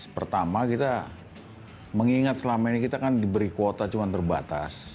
pertama kita mengingat selama ini kita kan diberi kuota cuma terbatas